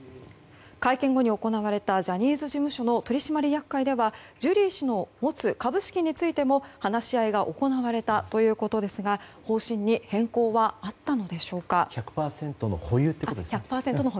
会見後に行われたジャニーズ事務所の取締役会ではジュリー氏の持つ株式についても話し合いが行われたということですが方針に変更はあったのでしょうか。